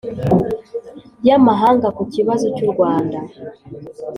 y'amahanga ku kibazo cy'u rwanda.